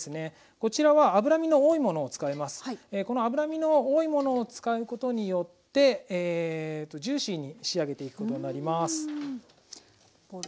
この脂身の多いものを使うことによってジューシーに仕上げていくことになります。